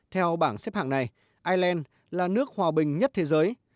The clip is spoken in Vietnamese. theo bảng xếp hạng này ireland là nước hòa bình nhất thế giới